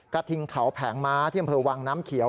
ทิงเขาแผงม้าที่อำเภอวังน้ำเขียว